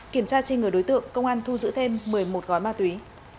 kiểm tra trên người đối tượng công an thu giữ thêm một mươi một gói ma túy